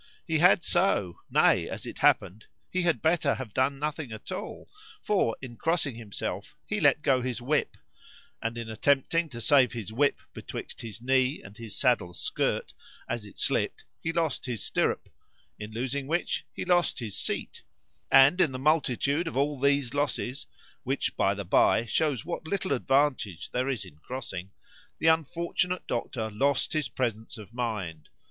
—He had so;—nay, as it happened, he had better have done nothing at all; for in crossing himself he let go his whip,——and in attempting to save his whip betwixt his knee and his saddle's skirt, as it slipped, he lost his stirrup,——in losing which he lost his seat;——and in the multitude of all these losses (which, by the bye, shews what little advantage there is in crossing) the unfortunate doctor lost his presence of mind.